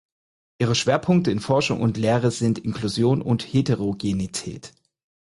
Ihre Schwerpunkte in Forschung und Lehre sind Inklusion und Heterogenität.